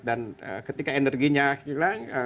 dan ketika energinya hilang